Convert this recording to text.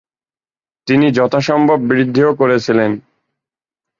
তিনি যথাসম্ভব বৃদ্ধিও করেছিলেন।